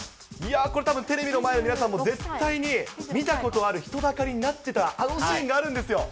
これたぶん、テレビの前の皆さんも、絶対に見たことある人だかりになってた、あのシーンがあるんですよ。